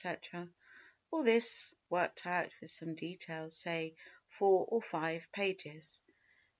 —all this worked out with some detail, say, four or five pages.